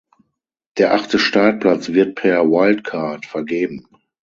Der achte Startplatz wird per Wildcard vergeben.